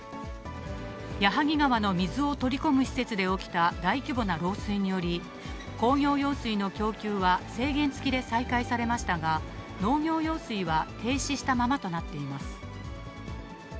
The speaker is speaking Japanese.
矢作川の水を取り込む施設で起きた大規模な漏水により、工業用水の供給は制限付きで再開されましたが、農業用水は停止したままとなっています。